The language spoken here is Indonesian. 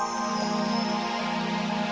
sayang tunggu tunggu